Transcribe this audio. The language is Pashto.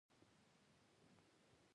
• سختکوش سړی د بریا راز پېژني.